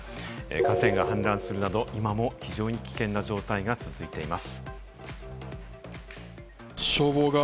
河川が氾濫するなど、今も非常に危険な状態が続いています。